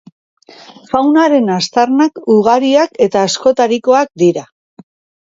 Faunaren aztarnak ugariak eta askotarikoak dira.